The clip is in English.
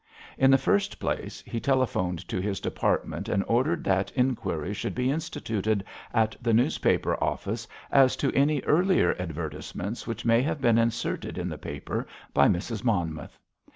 In the first place, he telephoned to his department and ordered that inquiry should be instituted at the newspaper office as to any earlier advertisements which may have been inserted in the paper by Mrs. Monmouth.